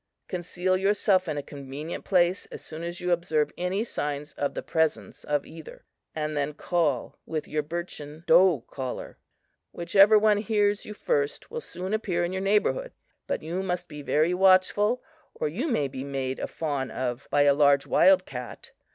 Conceal yourself in a convenient place as soon as you observe any signs of the presence of either, and then call with your birchen doe caller. "Whichever one hears you first will soon appear in your neighborhood. But you must be very watchful, or you may be made a fawn of by a large wild cat.